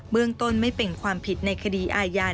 เรื่องต้นไม่เป็นความผิดในคดีอาญา